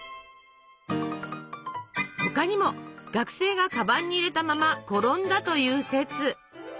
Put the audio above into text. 他にも学生がカバンに入れたまま転んだという説。